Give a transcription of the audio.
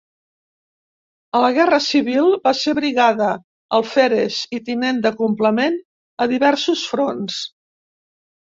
A la Guerra Civil va ser brigada, alferes i tinent de complement a diversos fronts.